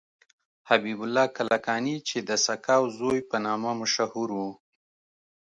حبیب الله کلکانی چې د سقاو زوی په نامه مشهور و.